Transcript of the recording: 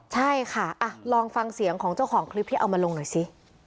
ใช่ค่ะลองฟังเสียงของเจ้าของคลิปที่เอามาลงหน่อยสิ